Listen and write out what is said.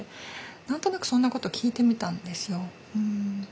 何となくそんなこと聞いてみたんですよ。